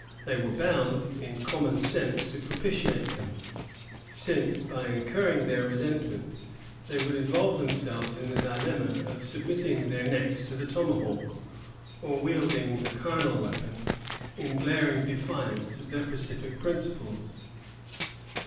They were bound in common sense to propitiate them; since, by incurring their resentment, they would involve themselves in the dilemma of submitting their necks to the tomahawk, or wielding the carnal weapon, in glaring defiance of their pacific principles.